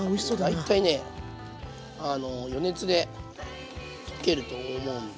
大体ね余熱で溶けると思うんで。